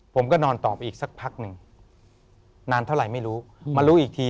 ผมก็นอนต่อไปอีกสักพักหนึ่งนานเท่าไหร่ไม่รู้มารู้อีกที